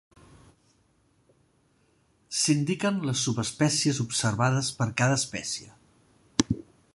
S'indiquen les subespècies observades per cada espècie.